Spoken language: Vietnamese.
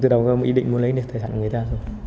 từ đầu mình ý định mua lấy tài sản của người ta